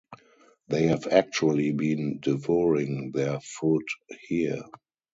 They have actually been devouring their food here.